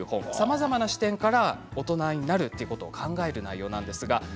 さまざまな視点から大人になるということを考えた内容です。